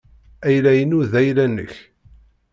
Ayla-inu d ayla-nnek.